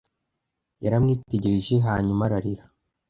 Yaramwitegereje hanyuma ararira.